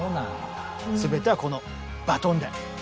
全てはこのバトンで。